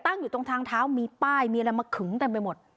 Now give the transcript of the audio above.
อยู่ตรงทางเท้ามีป้ายมีอะไรมาขึงเต็มไปหมด